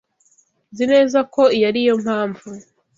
Nzi neza ko iyo ari yo mpamvu.